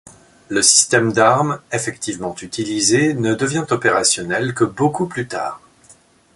Le système d'arme effectivement utilisé ne devient opérationnel que beaucoup plus tard.